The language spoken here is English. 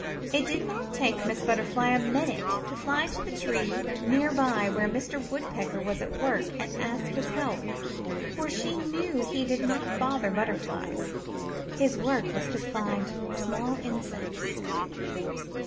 It did not take Miss Butterfly a minute to fly to the tree near by where Mr. Woodpecker was at work and ask his help, for she knew he did not bother butterflies. His work was to find small insects.